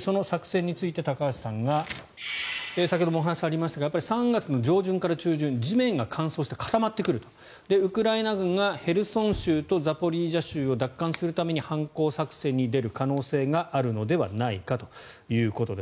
その作戦について高橋さんが先ほどもお話がありましたが３月の上旬から中旬地面が乾燥して固まってくるウクライナ軍がヘルソン州とザポリージャ州を奪還するために反攻作戦に出る可能性があるのではないかということです。